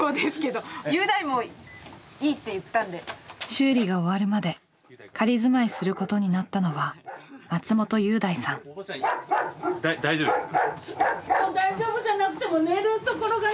修理が終わるまで仮住まいすることになったのは大丈夫ですか？